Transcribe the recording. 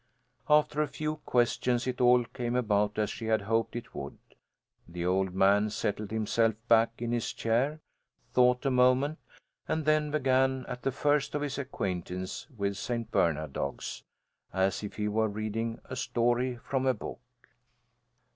After a few questions it all came about as she had hoped it would. The old man settled himself back in his chair, thought a moment, and then began at the first of his acquaintance with St. Bernard dogs, as if he were reading a story from a book.